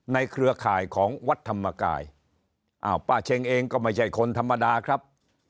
เครือข่ายของวัดธรรมกายอ้าวป้าเช็งเองก็ไม่ใช่คนธรรมดาครับ